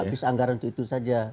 habis anggaran itu saja